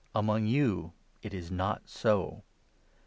Among you it is not so.